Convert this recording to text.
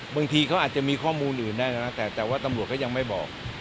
บางทีเขาอาจจะมีข้อมูลอื่นได้นะแต่ว่าตำรวจก็ยังไม่บอก